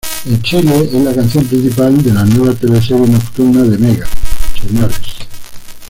En Chile, es la canción principal de la nueva teleserie nocturna de Mega: Sres.